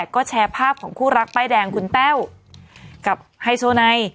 ก็แชร์ภาพของคู่รักป้ายแดงคุณแต้วกับไฮโซไน